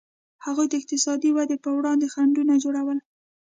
هغوی د اقتصادي ودې پر وړاندې خنډونه جوړول.